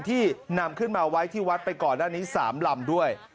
ที่นำขึ้นมาไว้ที่วัดไปก่อนหน้านี้๓ลำด้วย